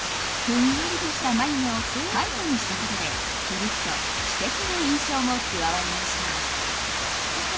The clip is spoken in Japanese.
ふんわりとした眉毛をタイトにしたことでキリッと知的な印象も加わりました。